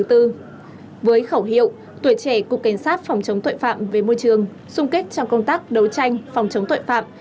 đoàn thanh niên cục cảnh sát phòng chống tội phạm về môi trường xung kích trong công tác đấu tranh phòng chống tội phạm